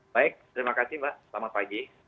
baik terima kasih mbak selamat pagi